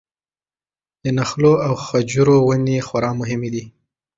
د نخلو او خجورو ونې خورا مهمې دي.